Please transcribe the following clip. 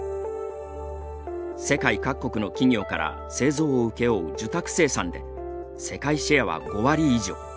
世界各国の企業から製造を請け負う受託生産で世界シェアは５割以上。